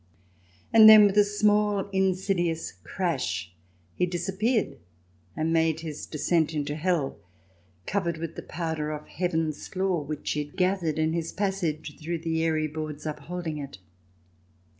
And then, with a small insidious crash, he dis appeared and made his descent into hell, covered with the powder off heaven's floor, which he had gathered in his passage through the airy boards upholding it.